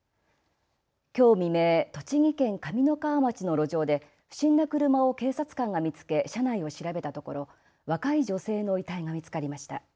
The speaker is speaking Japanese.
きょう未明、栃木県上三川町の路上で不審な車を警察官が見つけ車内を調べたところ、若い女性の遺体が見つかりました。